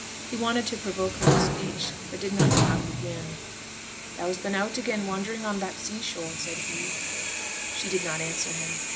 He wanted to provoke her to speech, but did not know how to begin. 'Thou's been out again wandering on that sea shore!' said he. She did not answer him.